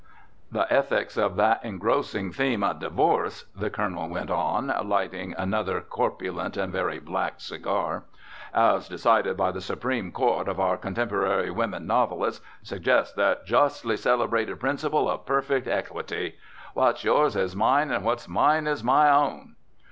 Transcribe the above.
"The ethics of that engrossing theme of divorce," the Colonel went on, lighting another corpulent and very black cigar, "as decided by the Supreme Court of our contemporary women novelists suggests that justly celebrated principle of perfect equity: 'What's yours is mine and what's mine is my own.'